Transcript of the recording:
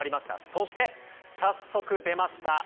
そして、早速出ました。